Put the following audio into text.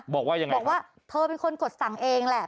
บอกว่ายังไงบอกว่าเธอเป็นคนกดสั่งเองแหละ